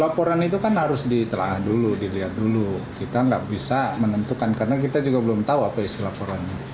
laporan itu kan harus ditelah dulu dilihat dulu kita nggak bisa menentukan karena kita juga belum tahu apa isi laporannya